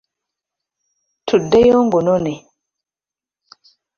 Tuddeyo ngunone.